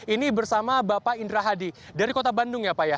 ini bersama bapak indra hadi dari kota bandung ya pak ya